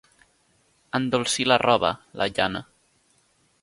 Endolcir la roba, la llana.